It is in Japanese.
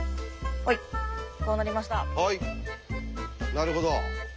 なるほど。